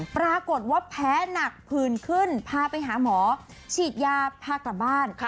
ปรากฏว่าแพ้หนักผื่นขึ้นพาไปหาหมอฉีดยาพากลับบ้าน